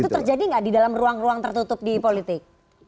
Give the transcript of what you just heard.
itu terjadi nggak di dalam ruang ruang tertutup di politik